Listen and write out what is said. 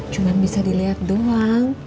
cuman bisa dilihat doang